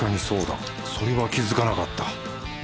それは気付かなかった。